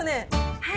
はい。